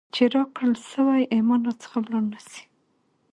چي راکړل سوئ ایمان را څخه ولاړ نسي ،